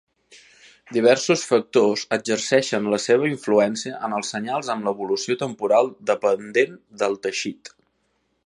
Diversos factors exerceixen la seva influència en els senyals amb l'evolució temporal dependent del teixit.